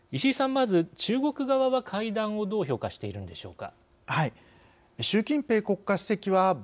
まず中国側は会談をどう評価しているんでしょうか。